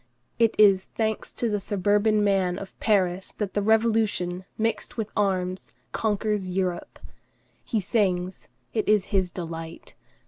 It is, thanks to the suburban man of Paris, that the Revolution, mixed with arms, conquers Europe. He sings; it is his delight.